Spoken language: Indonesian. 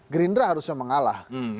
gerindra harusnya mengalah